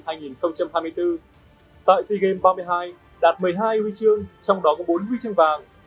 tại sea games ba mươi hai đạt một mươi hai huy chương trong đó có bốn huy chương vàng